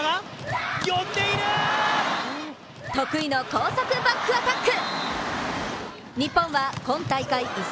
得意の高速バックアタック！